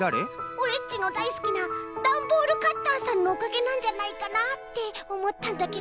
オレっちのだいすきなダンボールカッターさんのおかげなんじゃないかなっておもったんだけど。